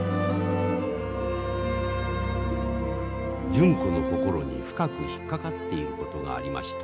純子の心に深く引っ掛かっていることがありました。